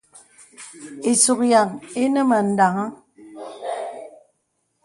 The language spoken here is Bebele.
Ìsùk yàŋ ìnə mə daŋaŋ.